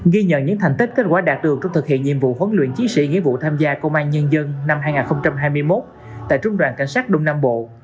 ghi nhận những thành tích kết quả đạt được trong thực hiện nhiệm vụ huấn luyện chiến sĩ nghĩa vụ tham gia công an nhân dân năm hai nghìn hai mươi một tại trung đoàn cảnh sát đông nam bộ